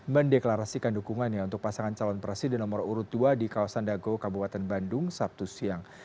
mendeklarasikan dukungannya untuk pasangan calon presiden nomor urut dua di kawasan dago kabupaten bandung sabtu siang